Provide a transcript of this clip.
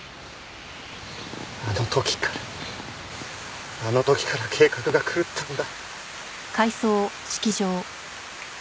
あの時からあの時から計画が狂ったんだ！